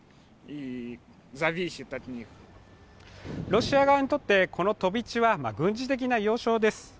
ロシア側にとって、この飛び地は軍事的な要衝です。